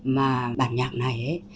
mà bản nhạc này ấy